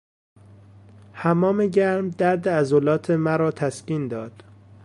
حمام گرم درد عضلات مرا تسکین داد.